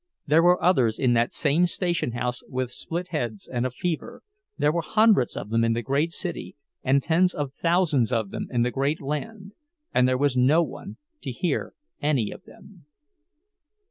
There were others in that same station house with split heads and a fever; there were hundreds of them in the great city, and tens of thousands of them in the great land, and there was no one to hear any of them.